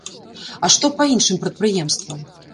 А што па іншым прадпрыемствам?